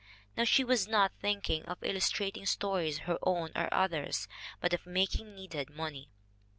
Now she was not thinking of illustrating stories, her own or others', but of making needed money.